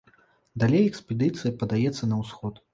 Далей экспедыцыя падаецца на ўсход.